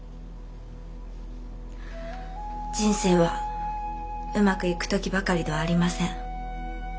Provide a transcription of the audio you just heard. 人生はうまくいく時ばかりではありません。